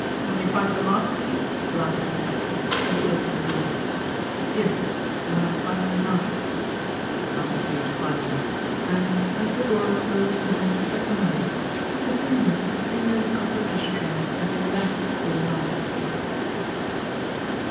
"When you find the master key?" laughed the inspector, as he opened the door. "Yes, when I find the master key," said Malcolm Sage quietly and, as the door closed behind Inspector Murdy, he continued to finger the copper ashtray as if that were the master key.